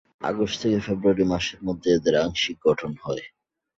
August থেকে ফেব্রুয়ারি মাসের মধ্যে এদের আংশিক গঠন হয়।